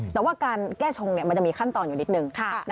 แต่ว่าการแก้ชงมันจะมีขั้นตอนอยู่นิดนึง